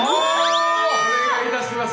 お願いいたします。